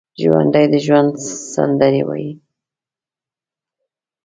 ژوندي د ژوند سندرې وايي